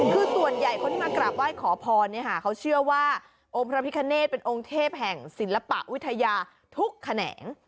คือส่วนใหญ่คนที่มากราบไหว้ขอพรเขาเชื่อว่าองค์พระพิคเนธเป็นองค์เทพแห่งศิลปวิทยาทุกแขนง